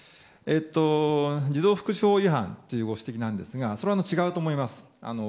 児童福祉法違反というご指摘なんですがそれは違うと思います。